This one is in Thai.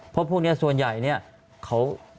เพราะพวกนี้ส่วนใหญ่เนี่ยเขา